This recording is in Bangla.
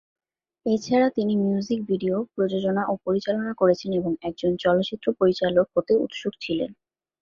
এছাড়া তিনি মিউজিক ভিডিও প্রযোজনা ও পরিচালনা করেছেন এবং একজন চলচ্চিত্র পরিচালক হতে উৎসুক ছিলেন।